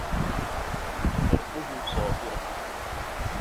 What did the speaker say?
انتظرته صابرة.